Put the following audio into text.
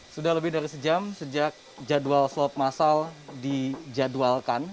sudah lebih dari sejam sejak jadwal swab masal dijadwalkan